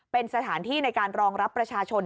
เป็นสถานที่ในการรองรับประชาชน